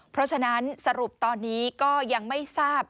เพราะฉะนั้นสรุปตอนนี้ก็ยังไม่ทราบ